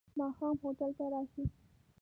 ماښام هوټل ته راشې.